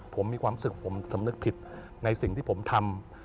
ผมมีความสุขผมสำนึกผิดในสิ่งที่ผมทำ